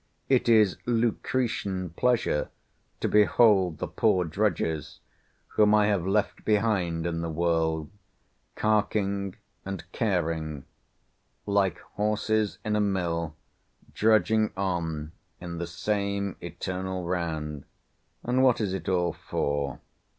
It is Lucretian pleasure to behold the poor drudges, whom I have left behind in the world, carking and caring; like horses in a mill, drudging on in the same eternal round—and what is it all for?